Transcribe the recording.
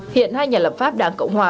hiện hai nhà lập pháp đảng cộng hòa